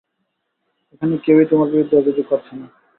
এখানে কেউই তোমার বিরুদ্ধে অভিযোগ করছে না।